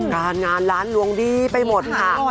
การงานร้านลวงดีไปหมดค่ะ